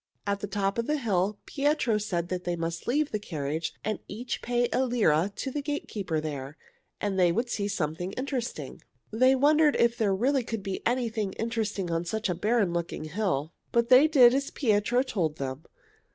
At the top of the hill Pietro said they must leave the carriage and each pay a lira to the gatekeeper there, and they would see something interesting. They wondered if there really could be anything interesting on such a barren looking hill, but they did as Pietro told them.